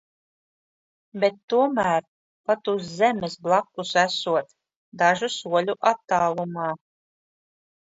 Bet tomēr, pat uz zemes blakus esot, dažu soļu attālumā.